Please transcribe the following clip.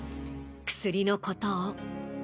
薬のことを。